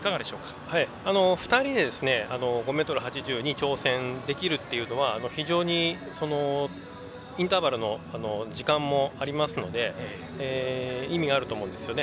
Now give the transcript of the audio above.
２人で５ｍ８０に挑戦できるっていうのは非常にインターバルの時間もありますので意味あると思うんですよね。